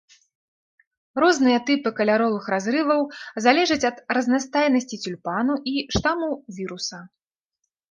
Розныя тыпы каляровых разрываў залежаць ад разнастайнасці цюльпану і штаму віруса.